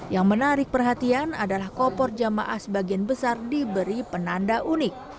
yang menarik perhatian adalah koper jamaah sebagian besar diberi penanda unik